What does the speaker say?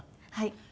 はい。